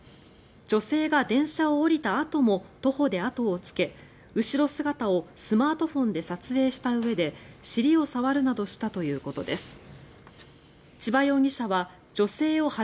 女性が電車を降りたあとも徒歩で後をつけ後ろ姿をスマートフォンで撮影したうえで尻を触るなどしたということです。